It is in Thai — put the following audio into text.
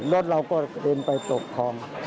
รถเราก็เด็นไปตกคลอง